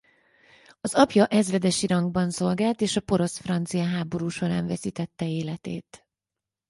Az apja ezredesi rangban szolgált és a porosz–francia háború során veszítette életét.